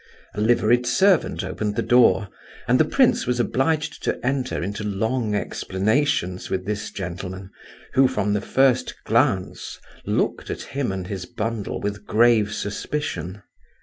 A liveried servant opened the door, and the prince was obliged to enter into long explanations with this gentleman, who, from the first glance, looked at him and his bundle with grave suspicion.